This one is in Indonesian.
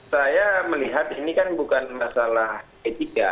saya melihat ini kan bukan masalah etika